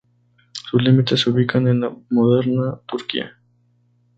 Sus límites se ubican en la moderna Turquía.